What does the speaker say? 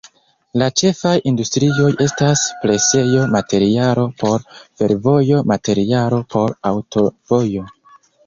La ĉefaj industrioj estas presejo, materialo por fervojo, materialo por aŭtovojo.